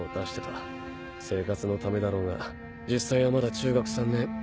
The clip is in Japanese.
生活のためだろうが実際はまだ中学３年。